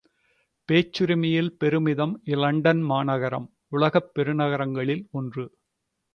பேச்சுரிமையில் பெருமிதம் இலண்டன் மாநகரம், உலகப் பெருநகரங்களில் ஒன்று.